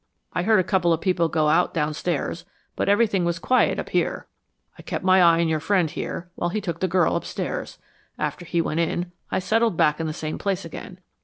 I heard a couple of people go out downstairs, but everything was quiet up here. I kept my eye on your friend here while he took the girl upstairs. After he went in I settled back in the same place again.